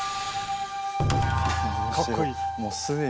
かっこいい。